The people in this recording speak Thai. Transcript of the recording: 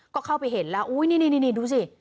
ก็เข้าไปเห็นแล้วอุ้ยนี่ดูสิ